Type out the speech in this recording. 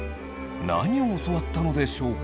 何を教わったのでしょうか？